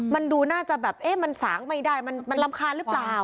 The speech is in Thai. มันดูน่าจะแบบเอ๊ะมันสางไม่ได้มันรำคาญหรือเปล่า